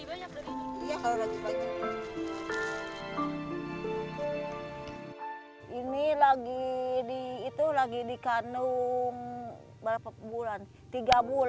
ya kalau lagi baju